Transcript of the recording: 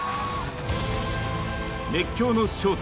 熱狂の正体。